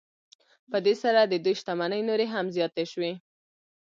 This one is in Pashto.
په دې سره د دوی شتمنۍ نورې هم زیاتې شوې